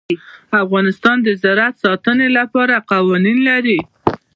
افغانستان د زراعت د ساتنې لپاره قوانین لري.